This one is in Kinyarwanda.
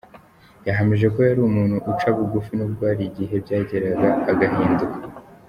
Yahamije ko yari umuntu uca bugufi nubwo hari igihe byageraga agahinduka.